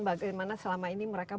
bagaimana selama ini mereka